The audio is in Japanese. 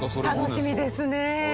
楽しみですね。